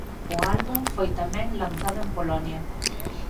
O álbum foi tamén lanzado en Polonia.